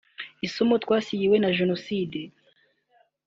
““Isomo twasigiwe na Jenoside